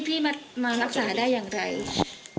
พี่มารักษาได้อย่างไร